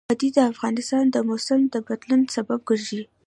وادي د افغانستان د موسم د بدلون سبب کېږي.